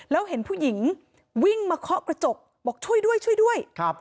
แล้วเห็นผู้หญิงวิ่งมาเคาะกระจกบอกช่วยด้วยช่วยด้วย